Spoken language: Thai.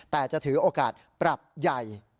แต่จะถือโอกาสปรับใหญ่